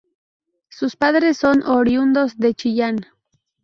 Sus padres son oriundos de Chillán.